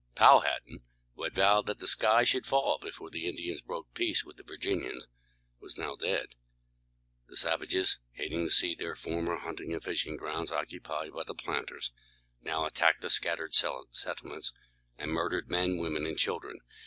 Powhatan, who had vowed that the sky should fall before the Indians broke peace with the Virginians, was now dead. The savages, hating to see their former hunting and fishing grounds occupied by the planters, now attacked the scattered settlements, and murdered men, women, and children.